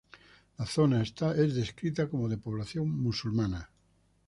La zona es descrita como de población musulmana.